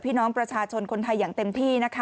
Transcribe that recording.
พี่น้องประชาชนคนไทยอย่างเต็มที่นะคะ